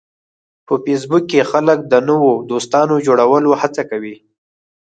په فېسبوک کې خلک د نوو دوستانو جوړولو هڅه کوي